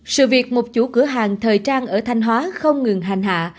sự việc một chủ cửa hàng thời trang ở thanh hóa không ngừng hành hạ